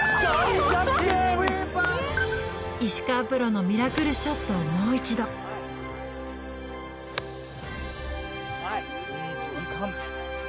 石川プロのミラクルショットをもう一度いい距離感ドン！